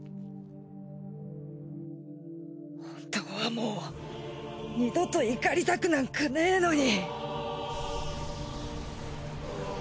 本当はもう二度と怒りたくなんかねえのに。